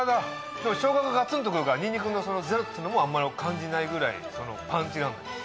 でも生姜がガツンとくるからにんにくのゼロっていうのもあんまり感じないぐらいパンチがあんのよ。